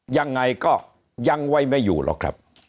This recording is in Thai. ยังไงก็ยังไว้ไม่อยู่หรอกครับ